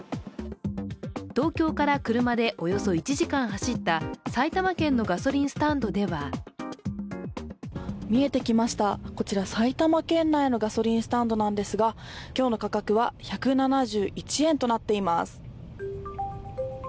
東京から車でおよそ１時間走った埼玉県のガソリンスタンドでは見えてきました、こちら埼玉県内のガソリンスタンドなんですが今日の価格は１７１円となっています。